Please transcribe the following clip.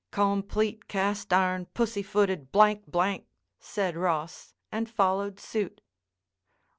"Complete, cast iron, pussy footed, blank... blank!" said Ross, and followed suit.